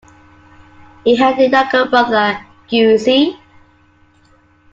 He had a younger brother, Giusi.